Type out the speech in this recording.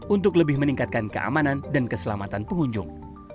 untuk lebih meningkatkan keamanan dan keselamatan pengunjung